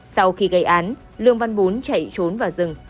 sau khi gây án lương văn bún chạy trốn vào rừng